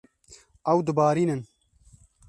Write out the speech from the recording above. Ew dibarînin.